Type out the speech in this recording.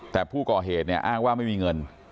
แต่ผู้ก่อเหตุเนี่ยอ้างว่าไม่มีเงิน